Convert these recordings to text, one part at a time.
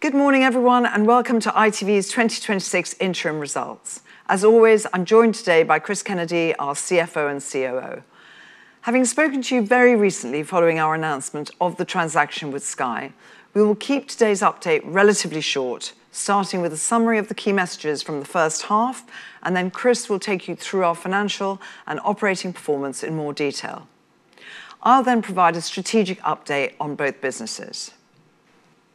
Good morning, everyone, welcome to ITV's 2026 interim results. As always, I'm joined today by Chris Kennedy, our CFO and COO. Having spoken to you very recently following our announcement of the transaction with Sky, we will keep today's update relatively short, starting with a summary of the key messages from the first half. Chris will take you through our financial and operating performance in more detail. I'll provide a strategic update on both businesses.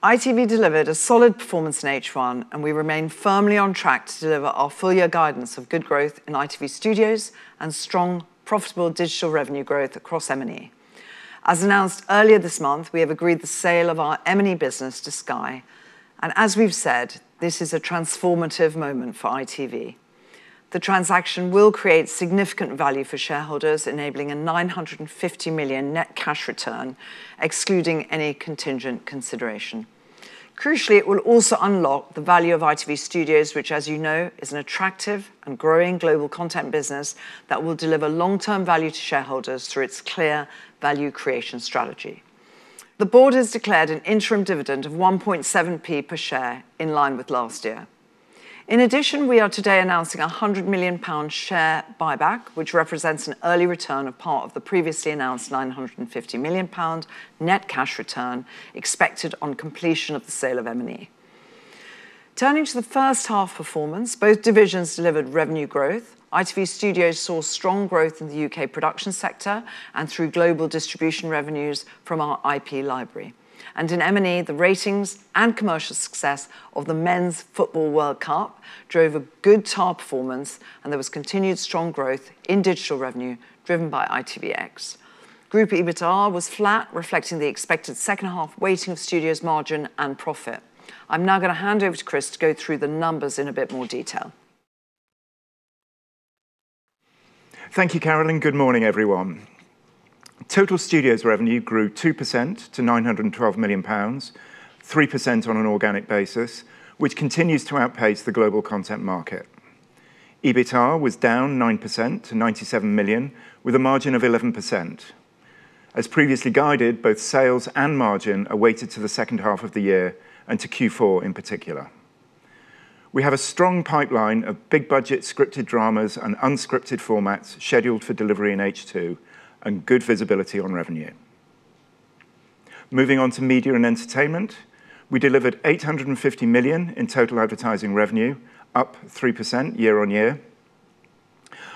ITV delivered a solid performance in H1. We remain firmly on track to deliver our full year guidance of good growth in ITV Studios and strong, profitable digital revenue growth across M&E. As announced earlier this month, we've agreed the sale of our M&E business to Sky. As we've said, this is a transformative moment for ITV. The transaction will create significant value for shareholders, enabling a 950 million net cash return, excluding any contingent consideration. Crucially, it will also unlock the value of ITV Studios, which, as you know, is an attractive and growing global content business that will deliver long-term value to shareholders through its clear value creation strategy. The board has declared an interim dividend of 0.017 per share, in line with last year. In addition, we are today announcing a 100 million pound share buyback, which represents an early return of part of the previously announced 950 million pound net cash return expected on completion of the sale of M&E. Turning to the first half performance, both divisions delivered revenue growth. ITV Studios saw strong growth in the U.K. production sector and through global distribution revenues from our IP library. In M&E, the ratings and commercial success of the Men's Football World Cup drove a good TAR performance. There was continued strong growth in digital revenue, driven by ITVX. Group EBITA was flat, reflecting the expected second half weighting of Studios margin and profit. I'm now going to hand over to Chris to go through the numbers in a bit more detail. Thank you, Carolyn. Good morning, everyone. Total Studios revenue grew 2% to 912 million pounds, 3% on an organic basis, which continues to outpace the global content market. EBITA was down 9% to 97 million, with a margin of 11%. As previously guided, both sales and margin are weighted to the second half of the year and to Q4 in particular. We have a strong pipeline of big-budget scripted dramas and unscripted formats scheduled for delivery in H2. Good visibility on revenue. Moving on to M&E, we delivered 850 million in total advertising revenue, up 3% year-on-year.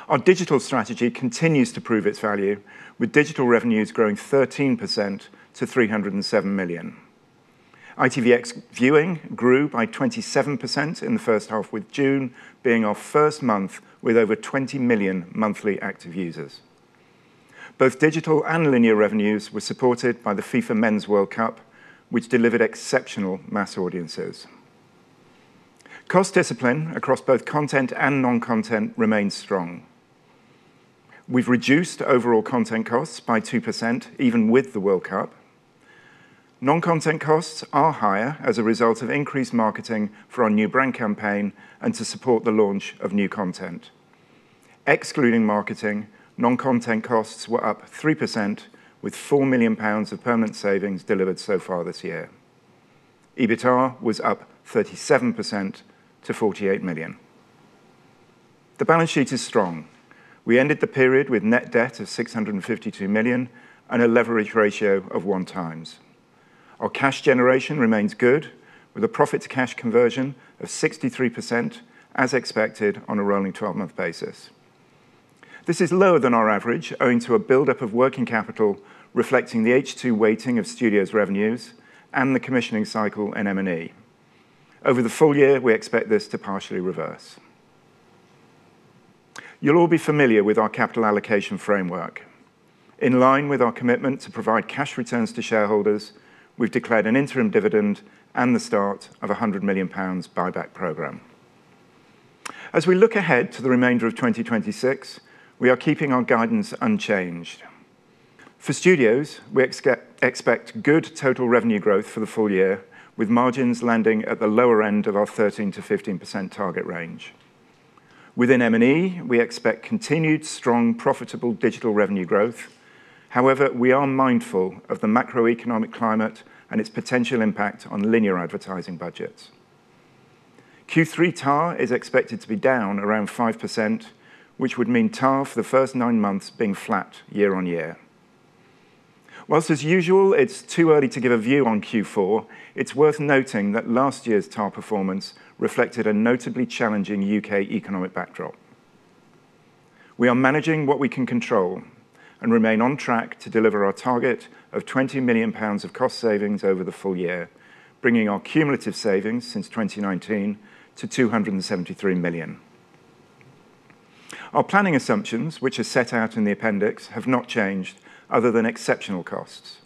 Our digital strategy continues to prove its value, with digital revenues growing 13% to 307 million. ITVX viewing grew by 27% in the first half, with June being our first month with over 20 million monthly active users. Both digital and linear revenues were supported by the FIFA Men's World Cup, which delivered exceptional mass audiences. Cost discipline across both content and non-content remains strong. We've reduced overall content costs by 2%, even with the World Cup. Non-content costs are higher as a result of increased marketing for our new brand campaign and to support the launch of new content. Excluding marketing, non-content costs were up 3%, with 4 million pounds of permanent savings delivered so far this year. EBITA was up 37% to 48 million. The balance sheet is strong. We ended the period with net debt of 652 million and a leverage ratio of 1x. Our cash generation remains good, with a profit to cash conversion of 63%, as expected on a rolling 12-month basis. This is lower than our average, owing to a buildup of working capital reflecting the H2 weighting of Studios' revenues and the commissioning cycle in M&E. Over the full year, we expect this to partially reverse. You'll all be familiar with our capital allocation framework. In line with our commitment to provide cash returns to shareholders, we've declared an interim dividend and the start of 100 million pounds buyback program. As we look ahead to the remainder of 2026, we are keeping our guidance unchanged. For Studios, we expect good total revenue growth for the full year, with margins landing at the lower end of our 13%-15% target range. Within M&E, we expect continued strong, profitable digital revenue growth. However, we are mindful of the macroeconomic climate and its potential impact on linear advertising budgets. Q3 TAR is expected to be down around 5%, which would mean TAR for the first nine months being flat year-on-year. As usual, it's too early to give a view on Q4, it's worth noting that last year's TAR performance reflected a notably challenging U.K. economic backdrop. We are managing what we can control and remain on track to deliver our target of 20 million pounds of cost savings over the full year, bringing our cumulative savings since 2019 to 273 million. Our planning assumptions, which are set out in the appendix, have not changed other than exceptional costs.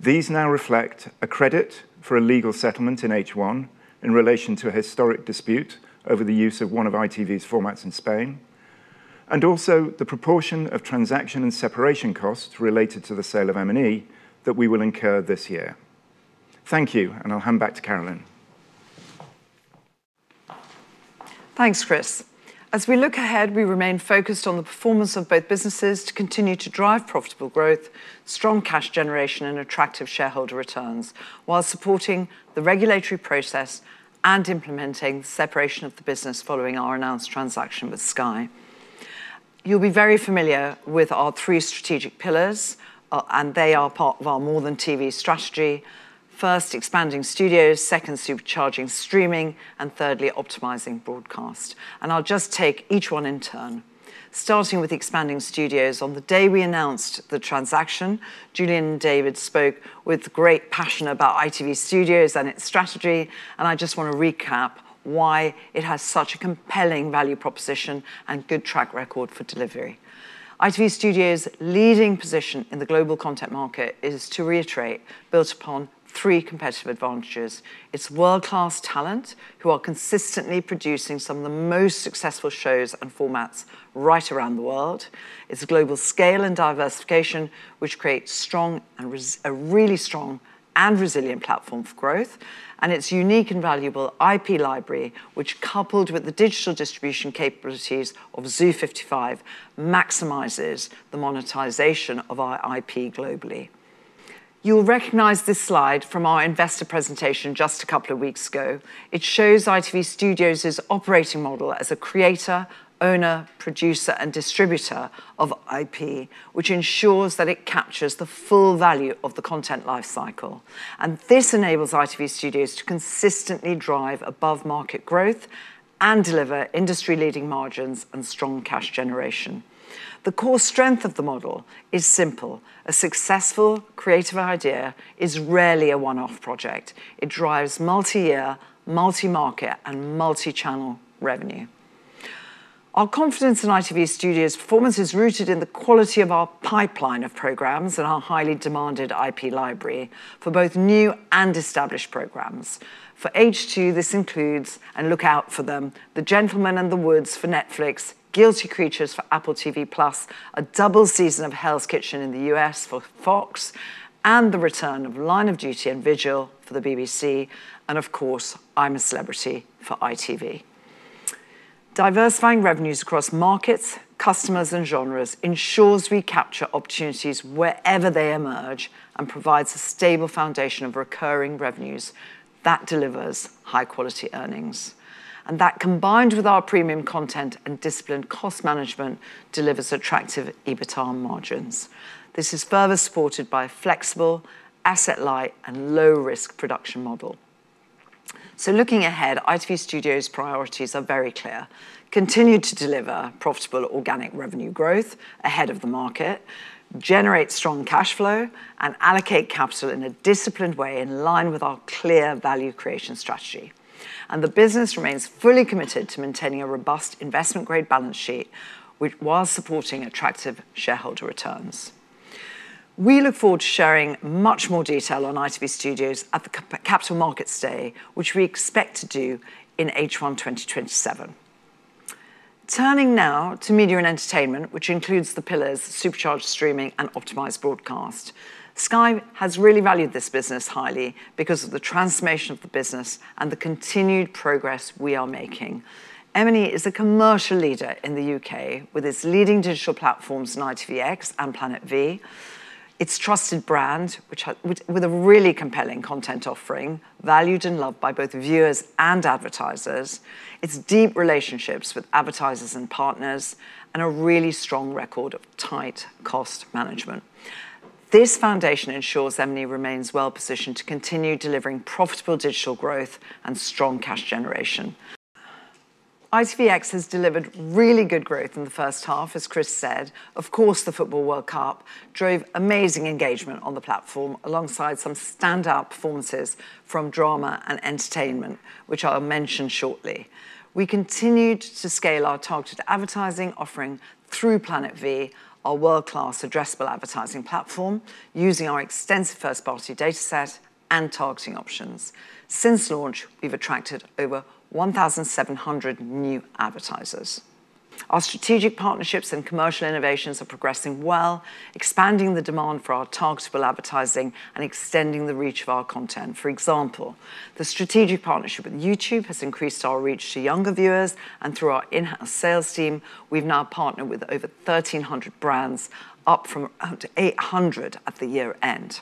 These now reflect a credit for a legal settlement in H1 in relation to a historic dispute over the use of one of ITV's formats in Spain, and also the proportion of transaction and separation costs related to the sale of M&E that we will incur this year. Thank you. I'll hand back to Carolyn. Thanks, Chris. As we look ahead, we remain focused on the performance of both businesses to continue to drive profitable growth, strong cash generation, and attractive shareholder returns while supporting the regulatory process and implementing separation of the business following our announced transaction with Sky. You'll be very familiar with our three strategic pillars. They are part of our More Than TV strategy. First, expanding Studios, second, supercharging streaming, and thirdly, optimizing broadcast. I'll just take each one in turn. Starting with expanding Studios, on the day we announced the transaction, Julian and David spoke with great passion about ITV Studios and its strategy. I just want to recap why it has such a compelling value proposition and good track record for delivery. ITV Studios' leading position in the global content market is, to reiterate, built upon three competitive advantages. Its world-class talent, who are consistently producing some of the most successful shows and formats right around the world. Its global scale and diversification, which creates a really strong and resilient platform for growth. Its unique and valuable IP library, which, coupled with the digital distribution capabilities of Zoo 55, maximizes the monetization of our IP globally. You'll recognize this slide from our investor presentation just a couple of weeks ago. It shows ITV Studios' operating model as a creator, owner, producer, and distributor of IP, which ensures that it captures the full value of the content life cycle. This enables ITV Studios to consistently drive above-market growth and deliver industry-leading margins and strong cash generation. The core strength of the model is simple. A successful creative idea is rarely a one-off project. It drives multi-year, multi-market, and multi-channel revenue. Our confidence in ITV Studios' performance is rooted in the quality of our pipeline of programs and our highly demanded IP library for both new and established programs. For H2, this includes, look out for them, "The Gentleman in the Woods" for Netflix, "Guilty Creatures" for Apple TV+, a double season of "Hell's Kitchen" in the U.S. for Fox, and the return of "Line of Duty" and "Vigil" for the BBC, and of course, "I'm a Celebrity" for ITV. Diversifying revenues across markets, customers, and genres ensures we capture opportunities wherever they emerge and provides a stable foundation of recurring revenues that delivers high-quality earnings. That, combined with our premium content and disciplined cost management, delivers attractive EBITA margins. This is further supported by a flexible, asset-light, and low-risk production model. Looking ahead, ITV Studios' priorities are very clear. Continue to deliver profitable organic revenue growth ahead of the market, generate strong cash flow, and allocate capital in a disciplined way, in line with our clear value creation strategy. The business remains fully committed to maintaining a robust investment-grade balance sheet while supporting attractive shareholder returns. We look forward to sharing much more detail on ITV Studios at the Capital Markets Day, which we expect to do in H1 2027. Turning now to M&E, which includes the pillars supercharged streaming and optimized broadcast. Sky has really valued this business highly because of the transformation of the business and the continued progress we are making. M&E is a commercial leader in the U.K. with its leading digital platforms in ITVX and Planet V, its trusted brand with a really compelling content offering valued and loved by both viewers and advertisers, its deep relationships with advertisers and partners, and a really strong record of tight cost management. This foundation ensures M&E remains well-positioned to continue delivering profitable digital growth and strong cash generation. ITVX has delivered really good growth in the first half, as Chris said. Of course, the football World Cup drove amazing engagement on the platform, alongside some standout performances from drama and entertainment, which I'll mention shortly. We continued to scale our targeted advertising offering through Planet V, our world-class addressable advertising platform, using our extensive first-party data set and targeting options. Since launch, we've attracted over 1,700 new advertisers. Our strategic partnerships and commercial innovations are progressing well, expanding the demand for our targetable advertising and extending the reach of our content. For example, the strategic partnership with YouTube has increased our reach to younger viewers, through our in-house sales team, we've now partnered with over 1,300 brands, up from about 800 at the year-end.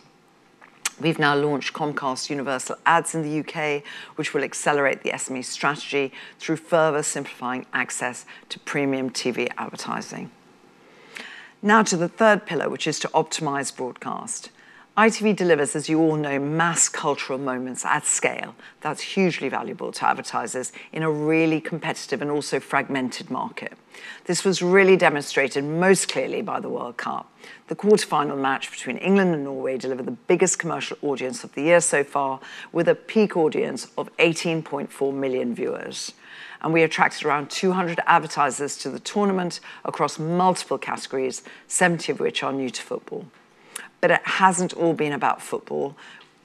We've now launched Comcast Universal Ads in the U.K., which will accelerate the SME strategy through further simplifying access to premium TV advertising. To the third pillar, which is to optimize broadcast. ITV delivers, as you all know, mass cultural moments at scale that's hugely valuable to advertisers in a really competitive and also fragmented market. This was really demonstrated most clearly by the World Cup. The quarterfinal match between England and Norway delivered the biggest commercial audience of the year so far, with a peak audience of 18.4 million viewers. We attracted around 200 advertisers to the tournament across multiple categories, 70 of which are new to football. It hasn't all been about football.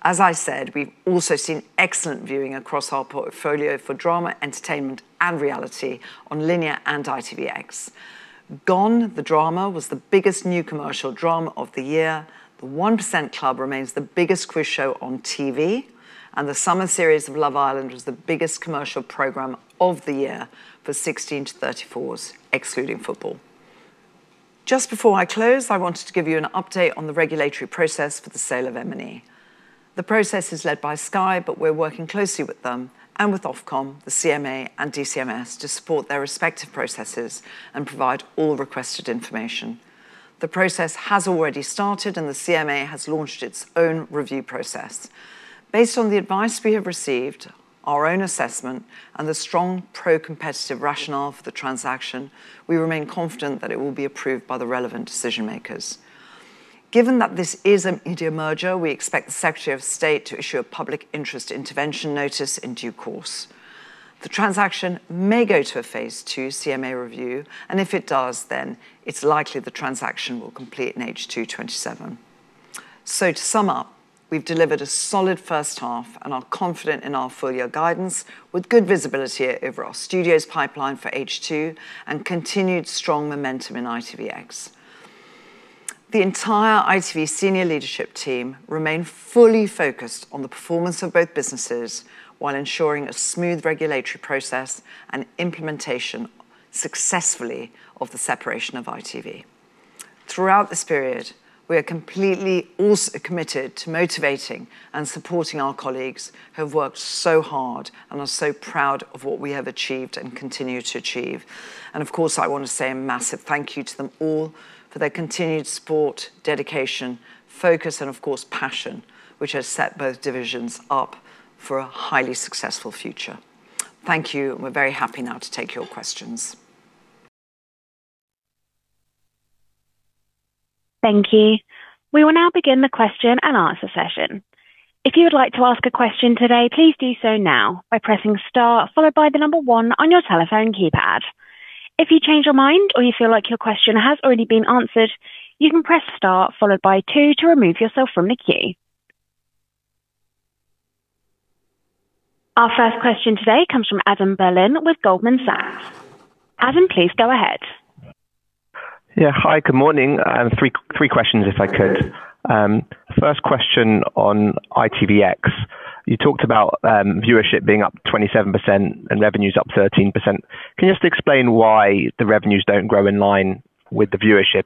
As I said, we've also seen excellent viewing across our portfolio for drama, entertainment, and reality on linear and ITVX. "Gone," the drama, was the biggest new commercial drama of the year. "The 1% Club" remains the biggest quiz show on TV, the summer series of "Love Island" was the biggest commercial program of the year for 16 to 34s, excluding football. Just before I close, I wanted to give you an update on the regulatory process for the sale of M&E. The process is led by Sky, but we're working closely with them and with Ofcom, the CMA, and DCMS to support their respective processes and provide all requested information. The process has already started, the CMA has launched its own review process. Based on the advice we have received, our own assessment, and the strong pro-competitive rationale for the transaction, we remain confident that it will be approved by the relevant decision-makers. Given that this is a media merger, we expect the Secretary of State to issue a public interest intervention notice in due course. The transaction may go to a phase two CMA review, if it does, then it's likely the transaction will complete in H2 2027. To sum up, we've delivered a solid first half and are confident in our full-year guidance with good visibility over our Studios pipeline for H2 and continued strong momentum in ITVX. The entire ITV senior leadership team remain fully focused on the performance of both businesses while ensuring a smooth regulatory process and implementation successfully of the separation of ITV. Throughout this period, we are completely also committed to motivating and supporting our colleagues who have worked so hard and are so proud of what we have achieved and continue to achieve. Of course, I want to say a massive thank you to them all for their continued support, dedication, focus, and of course, passion, which has set both divisions up for a highly successful future. Thank you, and we're very happy now to take your questions. Thank you. We will now begin the question and answer session. If you would like to ask a question today, please do so now by pressing star followed by the number one on your telephone keypad. If you change your mind or you feel like your question has already been answered, you can press star followed by two to remove yourself from the queue. Our first question today comes from Adam Berlin with Goldman Sachs. Adam, please go ahead. Hi, good morning. Three questions if I could. First question on ITVX. You talked about viewership being up 27% and revenues up 13%. Can you just explain why the revenues don't grow in line with the viewership?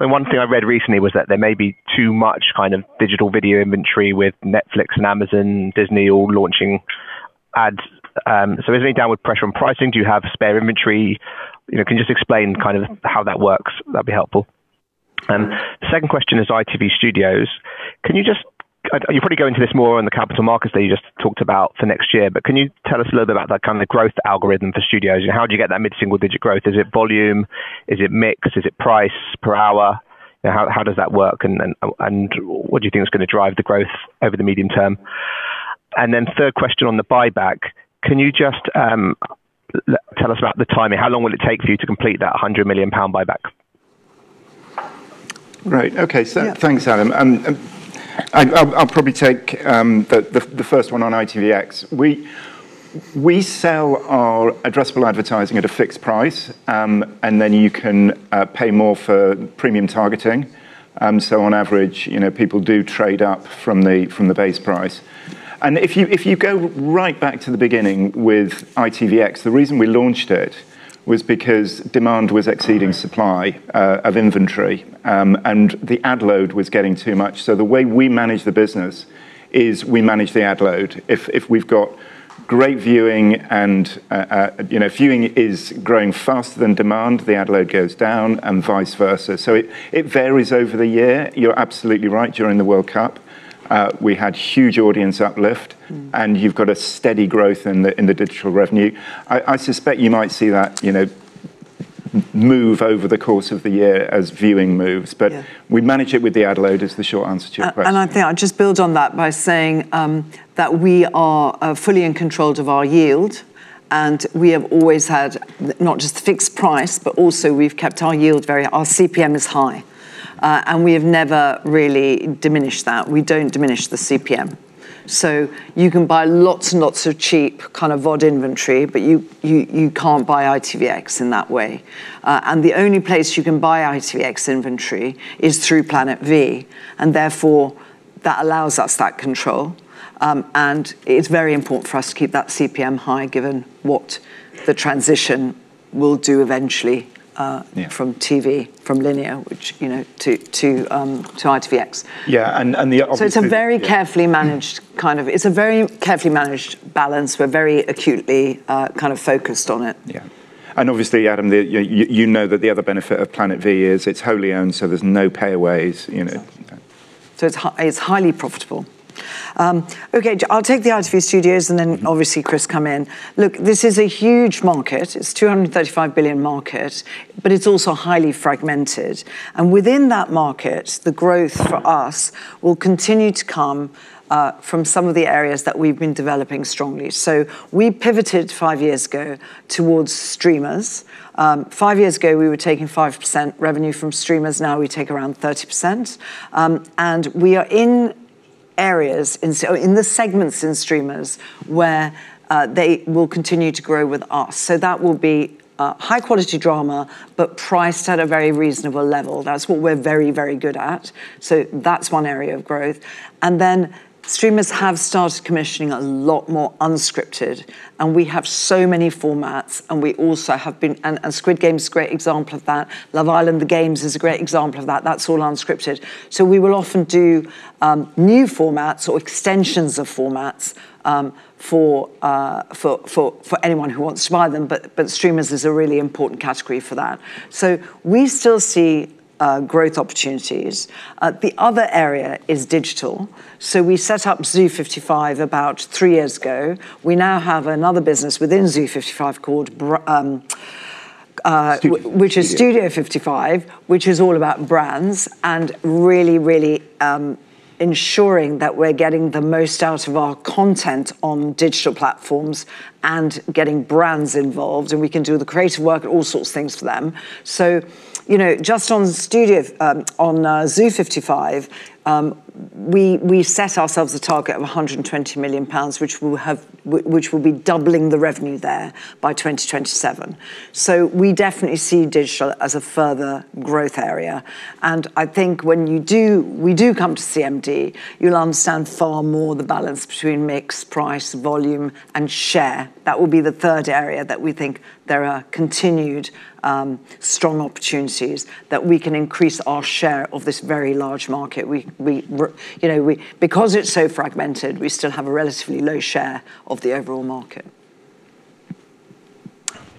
One thing I read recently was that there may be too much digital video inventory with Netflix and Amazon, Disney all launching ads. Is there any downward pressure on pricing? Do you have spare inventory? Can you just explain how that works? That'd be helpful. The second question is ITV Studios. You probably go into this more in the Capital Markets Day that you just talked about for next year, but can you tell us a little bit about that kind of growth algorithm for Studios, and how do you get that mid-single-digit growth? Is it volume? Is it mix? Is it price per hour? How does that work, and what do you think is going to drive the growth over the medium term? Then third question on the buyback, can you just tell us about the timing? How long will it take for you to complete that 100 million pound buyback? Right. Okay. Yeah. Thanks, Adam. I'll probably take the first one on ITVX. We sell our addressable advertising at a fixed price, then you can pay more for premium targeting. On average, people do trade up from the base price. If you go right back to the beginning with ITVX, the reason we launched it was because demand was exceeding supply of inventory, and the ad load was getting too much. The way we manage the business is we manage the ad load. If we've got great viewing and viewing is growing faster than demand, the ad load goes down, and vice versa. It varies over the year. You're absolutely right. During the World Cup, we had huge audience uplift, and you've got a steady growth in the digital revenue. I suspect you might see that move over the course of the year as viewing moves. Yeah. We manage it with the ad load is the short answer to your question. I think I'll just build on that by saying that we are fully in control of our yield, and we have always had not just a fixed price, but also we've kept our yield very. Our CPM is high. We have never really diminished that. We don't diminish the CPM. You can buy lots and lots of cheap kind of VOD inventory, but you can't buy ITVX in that way. The only place you can buy ITVX inventory is through Planet V. Therefore, that allows us that control, and it's very important for us to keep that CPM high given what the transition will do eventually. Yeah from TV, from linear, to ITVX. Yeah. It's a very carefully managed balance. We're very acutely kind of focused on it. Yeah. Obviously, Adam, you know that the other benefit of Planet V is it's wholly owned, so there's no payaways. Exactly. It's highly profitable. I'll take the ITV Studios, Chris, come in. This is a huge market. It's a 235 billion market, but it's also highly fragmented. Within that market, the growth for us will continue to come from some of the areas that we've been developing strongly. We pivoted five years ago towards streamers. Five years ago, we were taking 5% revenue from streamers. Now we take around 30%. We are in areas in the segments in streamers where they will continue to grow with us. That will be high-quality drama, but priced at a very reasonable level. That's what we're very good at. That's one area of growth. Streamers have started commissioning a lot more unscripted, and we have so many formats, and Squid Game's a great example of that. Love Island: The Games is a great example of that. That's all unscripted. We will often do new formats or extensions of formats for anyone who wants to buy them. Streamers is a really important category for that. We still see growth opportunities. The other area is digital. We set up Zoo 55 about three years ago. We now have another business within Zoo 55, which is Studio 55, which is all about brands and really ensuring that we're getting the most out of our content on digital platforms and getting brands involved, and we can do the creative work, all sorts of things for them. Just on Zoo 55, we set ourselves a target of 120 million pounds, which will be doubling the revenue there by 2027. We definitely see digital as a further growth area. I think when we do come to CMD, you'll understand far more the balance between mix, price, volume, and share. That will be the third area that we think there are continued strong opportunities that we can increase our share of this very large market. Because it's so fragmented, we still have a relatively low share of the overall market.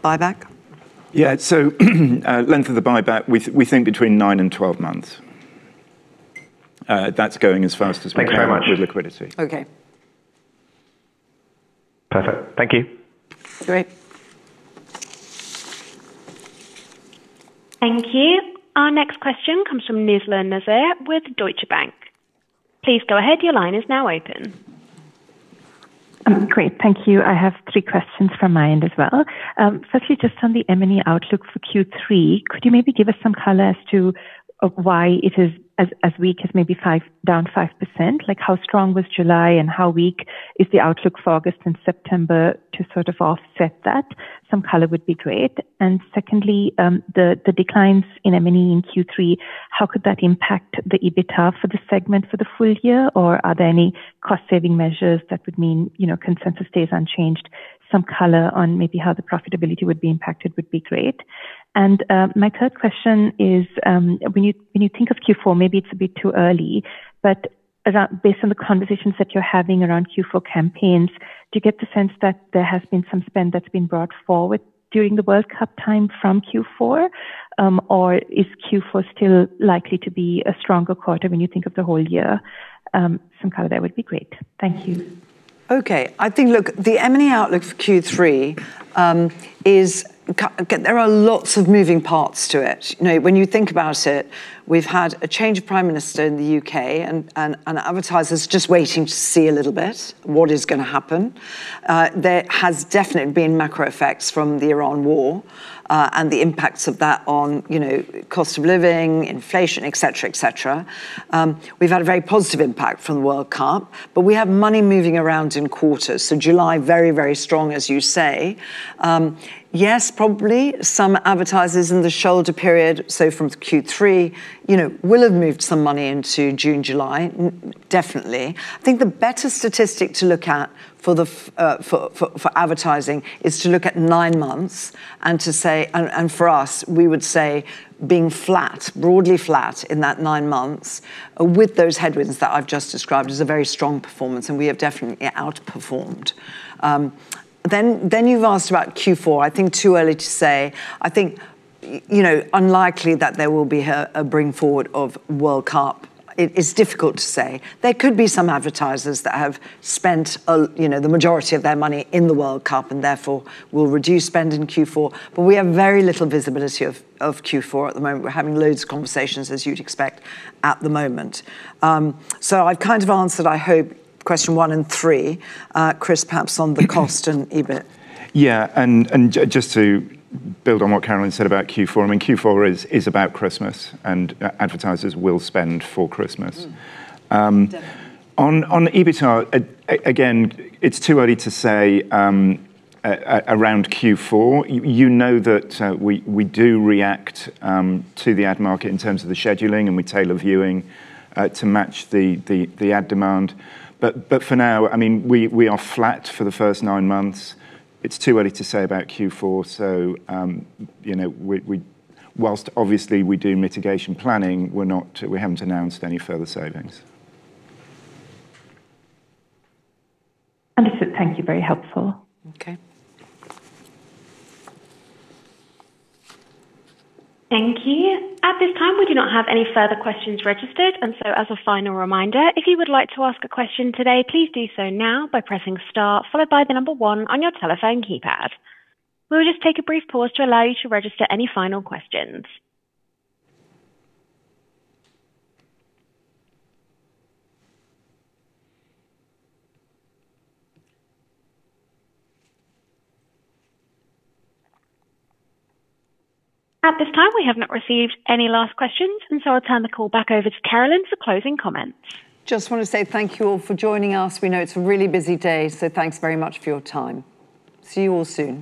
Buyback? Length of the buyback, we think between nine and 12 months. That's going as fast as we can. Thank you very much with liquidity. Okay. Perfect. Thank you. Great. Thank you. Our next question comes from Nizla Naizer with Deutsche Bank. Please go ahead. Your line is now open. Great. Thank you. I have three questions from my end as well. Firstly, just on the M&E outlook for Q3, could you maybe give us some color as to why it is as weak as maybe down 5%? How strong was July, and how weak is the outlook for August and September to sort of offset that? Some color would be great. Secondly, the declines in M&E in Q3, how could that impact the EBITA for the segment for the full year? Are there any cost-saving measures that would mean consensus stays unchanged? Some color on maybe how the profitability would be impacted would be great. My third question is, when you think of Q4, maybe it's a bit too early, but based on the conversations that you're having around Q4 campaigns, do you get the sense that there has been some spend that's been brought forward during the World Cup time from Q4? Is Q4 still likely to be a stronger quarter when you think of the whole year? Some color there would be great. Thank you. Okay. I think, look, the M&E outlook for Q3 is there are lots of moving parts to it. When you think about it, we've had a change of prime minister in the U.K., advertisers just waiting to see a little bit what is going to happen. There has definitely been macro effects from the Iran war and the impacts of that on cost of living, inflation, et cetera. We've had a very positive impact from the World Cup, we have money moving around in quarters. July, very strong, as you say. Yes, probably some advertisers in the shoulder period, so from Q3, will have moved some money into June, July, definitely. I think the better statistic to look at for advertising is to look at nine months for us, we would say being broadly flat in that nine months with those headwinds that I've just described is a very strong performance, we have definitely outperformed. You've asked about Q4. I think too early to say. I think unlikely that there will be a bring forward of World Cup. It's difficult to say. There could be some advertisers that have spent the majority of their money in the World Cup, therefore will reduce spend in Q4, we have very little visibility of Q4 at the moment. We're having loads of conversations, as you'd expect at the moment. I've kind of answered, I hope, question one and three. Chris, perhaps on the cost and EBIT. Just to build on what Carolyn said about Q4, I mean, Q4 is about Christmas. Advertisers will spend for Christmas. Definitely. On EBITA, again, it's too early to say around Q4. You know that we do react to the ad market in terms of the scheduling, and we tailor viewing to match the ad demand. For now, we are flat for the first nine months. It's too early to say about Q4. Whilst obviously we do mitigation planning, we haven't announced any further savings. Understood. Thank you. Very helpful. Okay. Thank you. At this time, we do not have any further questions registered. As a final reminder, if you would like to ask a question today, please do so now by pressing star, followed by the number one on your telephone keypad. We will just take a brief pause to allow you to register any final questions. At this time, we have not received any last questions. I'll turn the call back over to Carolyn for closing comments. Just want to say thank you all for joining us. We know it's a really busy day. Thanks very much for your time. See you all soon.